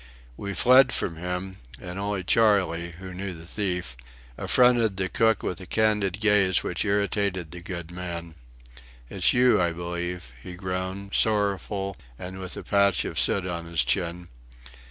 We fled from him; and only Charley (who knew the thief) affronted the cook with a candid gaze which irritated the good man. "It's you, I believe," he groaned, sorrowful and with a patch of soot on his chin.